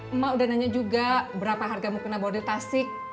emak udah nanya juga berapa harga mau kena bawa di tasik